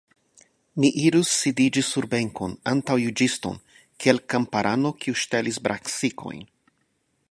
Mi irus sidiĝi sur benkon, antaŭ juĝiston, kiel kamparano, kiu ŝtelis brasikojn!